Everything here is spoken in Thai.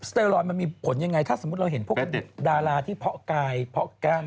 เตรอยมันมีผลยังไงถ้าสมมุติเราเห็นพวกดาราที่เพาะกายเพาะกล้าม